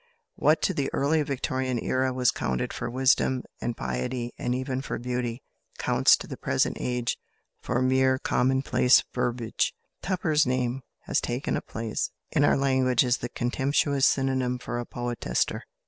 What to the early Victorian Era was counted for wisdom, and piety, and even for beauty, counts to the present age for mere commonplace verbiage. Tupper's name has taken a place in our language as the contemptuous synonym for a poetaster.